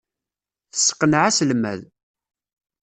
Tesseqneɛ aselmad.